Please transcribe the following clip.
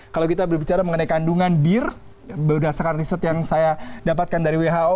kalau kita berbicara mengenai kandungan bir berdasarkan riset yang saya dapatkan dari who